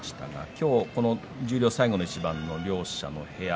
今日、十両最後の一番両者の部屋